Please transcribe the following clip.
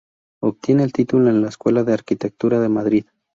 Obtiene el título en la Escuela de Arquitectura de Madrid.